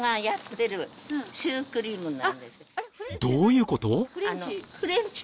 どういうこと？